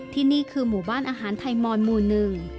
ที่นี่คือหมู่บ้านอาหารไทยมอนหมู่หนึ่ง